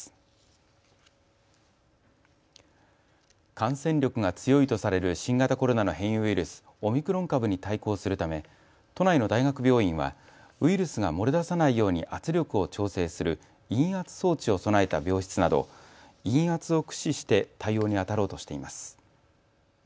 感染力が強いとされる新型コロナの変異ウイルス、オミクロン株に対抗するため都内の大学病院はウイルスが漏れ出さないように圧力を調整する陰圧装置を備えた病室など陰圧を駆使して対応にあたろうとしています。